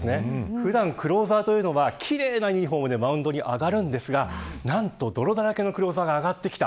普段、クローザーは奇麗なユニホームでマウンドに上がりますが何と泥だらけのクローザーが上がってきた。